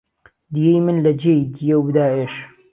دییەی من لە جێی دییەو بدا ئێش